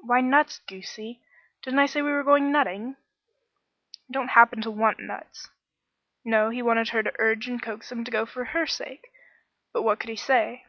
"Why, nuts, goosey; didn't I say we were going nutting?" "I don't happen to want nuts." No, he wanted her to urge and coax him to go for her sake, but what could he say?